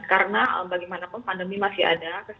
karena bagaimanapun pandemi masih ada